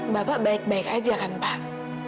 bapak baik baik aja kan pak